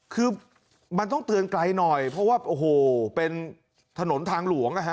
คือมันต้องเตือนไกลหน่อยเพราะว่าโอ้โหเป็นถนนทางหลวงนะฮะ